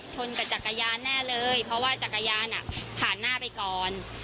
กับจักรยานแน่เลยเพราะว่าจักรยานผ่านหน้าไปก่อน